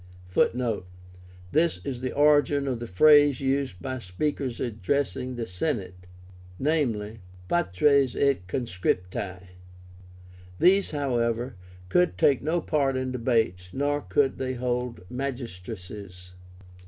(Footnote: This is the origin of the phrase used by speakers addressing the Senate, viz.: "Patres (et) Consripti") These, however, could take no part in debates, nor could they hold magistracies.